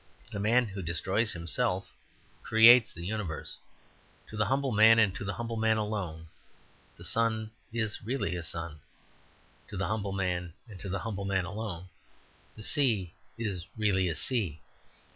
The man who destroys himself creates the universe. To the humble man, and to the humble man alone, the sun is really a sun; to the humble man, and to the humble man alone, the sea is really a sea.